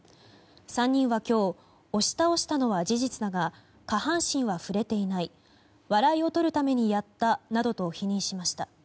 ３人は今日押し倒したのは事実だが下半身は触れていない笑いを取るためにやったなどと否認しました。